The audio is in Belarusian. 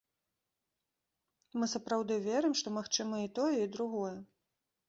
Мы сапраўды верым, што магчыма і тое, і другое.